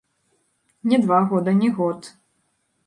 Не два года, не год.